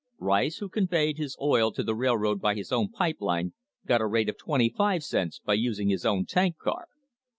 Rice, who conveyed his oil to the railroad by his own pipe line, got a rate of twenty five cents by using his own tank car.